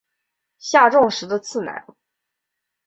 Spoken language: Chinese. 下重实的次男。